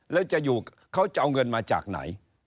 แล้วเขาจะเอาเงินมาจากไหน